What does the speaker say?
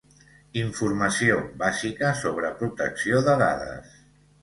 Informació bàsica sobre protecció de dades.